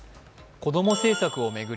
子ども政策を巡り